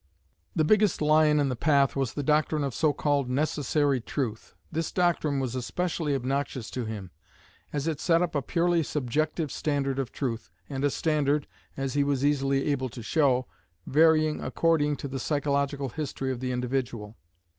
The biggest lion in the path was the doctrine of so called "necessary truth." This doctrine was especially obnoxious to him, as it set up a purely subjective standard of truth, and a standard as he was easily able to show varying according to the psychological history of the individual.